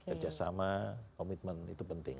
kerjasama komitmen itu penting